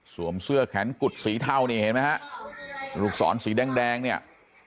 เสื้อแขนกุดสีเทานี่เห็นไหมฮะลูกศรสีแดงแดงเนี่ย